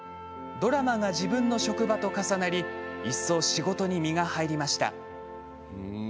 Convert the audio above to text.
ドラマが自分の職場と重なり一層、仕事に身が入りました。